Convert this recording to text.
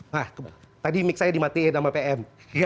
nah tadi mic saya dimatikan sama pm